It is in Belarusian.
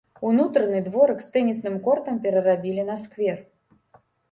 Унутраны дворык з тэнісным кортам перарабілі на сквер.